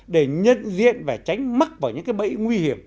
để nhân diện và tránh mắc vào những bẫy nguy hiểm